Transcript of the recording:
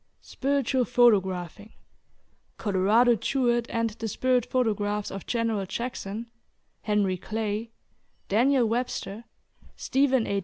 SPIRITUAL PHOTOGRAPHING. COLORADO JEWETT AND THE SPIRIT PHOTOGRAPHS OF GENERAL JACKSON, HENRY CLAY, DANIEL WEBSTER, STEPHEN A.